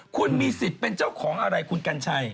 คุณมีสิทธิ์เป็นเจ้าของอะไรคุณกัญชัย